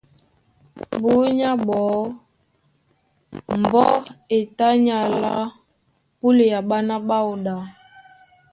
Búnyá ɓɔɔ́ mbɔ́ e tá ní alá púlea ɓána ɓáō ɗá.